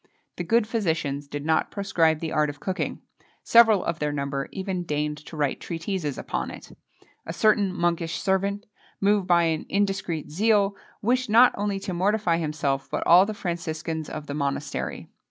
The good physicians did not proscribe the art of cooking; several of their number even deigned to write treatises upon it.[XXII 36] A certain monkish servant, moved by an indiscreet zeal, wished not only to mortify himself but all the Franciscans of the monastery.